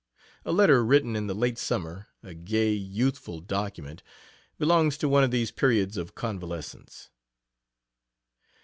A letter written in the late summer a gay, youthful document belongs to one of these periods of convalescence.